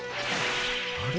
あれ？